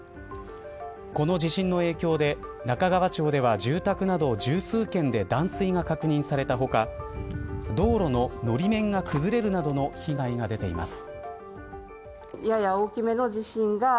この地震の影響で中川町では、住宅など十数件で断水が確認された他道路の、のり面が崩れるなどの被害が出ています。